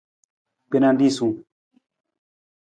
Gbena risung.